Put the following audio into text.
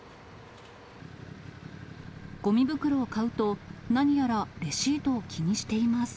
ごみ袋を買うと、何やら、レシートを気にしています。